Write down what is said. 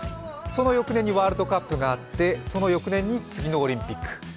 その翌年にワールドカップがあってその翌年に次のオリンピック。